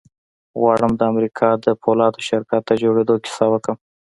غواړم د امريکا د پولادو شرکت د جوړېدو کيسه وکړم.